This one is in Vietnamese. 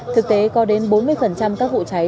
thực tế có đến bốn mươi các vụ cháy